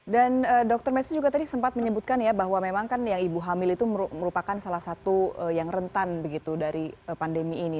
dan dokter messi juga tadi sempat menyebutkan ya bahwa memang kan yang ibu hamil itu merupakan salah satu yang rentan begitu dari pandemi ini